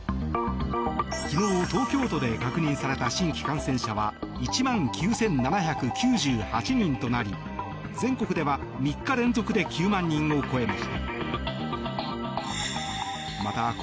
昨日、東京都で確認された新規感染者は１万９７９８人となり全国では３日連続で９万人を超えました。